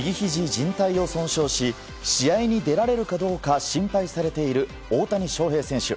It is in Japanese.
じん帯を損傷し、試合に出られるかどうか心配されている大谷翔平選手。